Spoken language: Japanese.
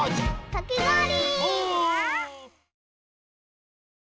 かきごおり！